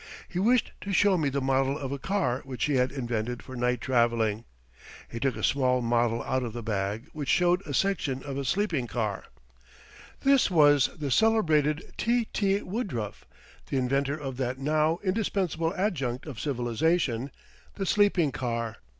He wished to show me the model of a car which he had invented for night traveling. He took a small model out of the bag, which showed a section of a sleeping car. This was the celebrated T.T. Woodruff, the inventor of that now indispensable adjunct of civilization the sleeping car.